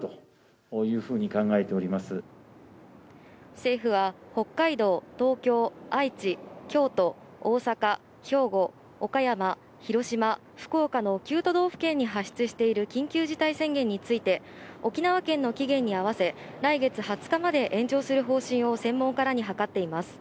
政府は北海道、東京、愛知、京都、大阪、兵庫、岡山、広島、福岡の９都道府県に発出している緊急事態宣言について、沖縄県の期限に合わせ来月２０日まで延長する方針を専門家らに諮っています。